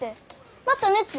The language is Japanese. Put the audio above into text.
また熱？